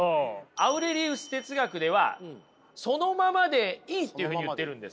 アウレリウス哲学ではそのままでいいっていうふうに言っているんですよ。